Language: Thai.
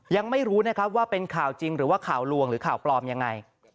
ยังไม่รู้นะครับว่าเป็นข่าวจริงหรือว่าข่าวลวงหรือข่าวปลอมยังไง